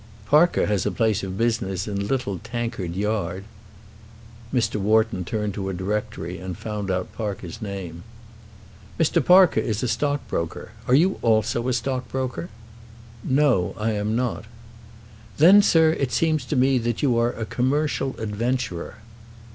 "Parker has a place of business in Little Tankard Yard." Mr. Wharton turned to a directory and found out Parker's name. "Mr. Parker is a stockbroker. Are you also a stockbroker?" "No, I am not." "Then, sir, it seems to me that you are a commercial adventurer."